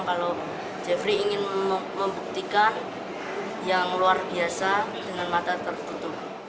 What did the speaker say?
kalau jeffrey ingin membuktikan yang luar biasa dengan mata tertutup